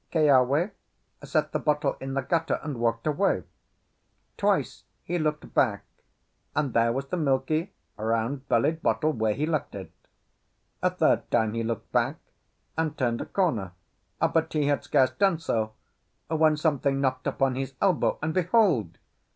Keawe set the bottle in the gutter and walked away. Twice he looked back, and there was the milky, round bellied bottle where he left it. A third time he looked back, and turned a corner; but he had scarce done so, when something knocked upon his elbow, and behold!